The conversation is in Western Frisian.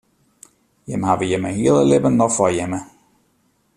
Jimme hawwe jimme hiele libben noch foar jimme.